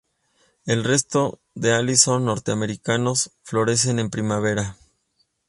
El resto de alisos norteamericanos florecen en la primavera.